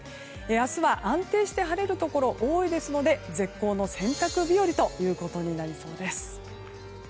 明日は安定して晴れるところが多いですので絶好の洗濯日和ということになりそうです。